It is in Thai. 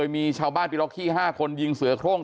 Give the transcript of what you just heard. มีชาวบ้านปีล็อกขี้๕คนยิงเสือโครง